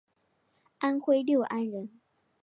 安徽六安人。